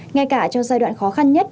ngay cả trong giai đoạn khó khăn nhất